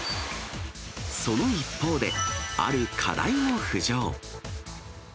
その一方で、ある課題も浮上。